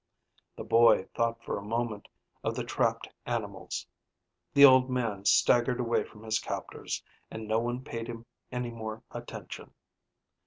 The boy thought for a moment of the trapped animals. The old man staggered away from his captors and no one paid him any more attention.